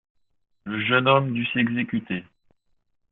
Le jeune homme dut s'exécuter.